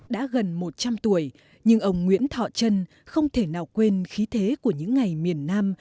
đã gần một trăm linh tuổi nhưng ông nguyễn thọ trân không thể nào quên khí thế của những ngày miền nam